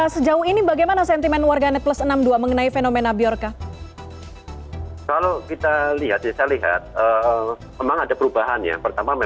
sejauh ini bagaimana sentimen warganet plus enam puluh dua mengenai fenomena biorca